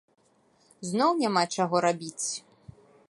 Зноў няма чаго рабіць.